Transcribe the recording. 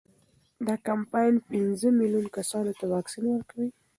دا کمپاین پنځه میلیون کسانو ته واکسین ورکوي.